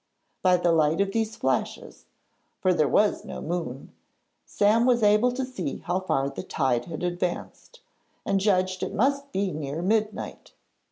By the light of these flashes for there was no moon Sam was able to see how far the tide had advanced, and judged it must be near midnight.